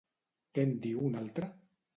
Què en diu un altre?